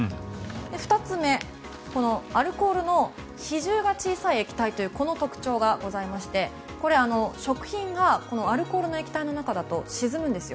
２つ目このアルコールの比重が小さい液体という特徴がありましてこれは食品がアルコールの液体の中だと沈むんですよ。